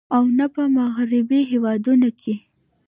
او نۀ په مغربي هېوادونو کښې